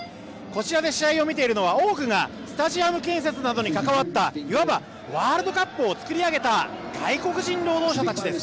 こちらで試合を見ているのは多くがスタジアム建設などに関わったいわばワールドカップを作り上げた外国人労働者たちです。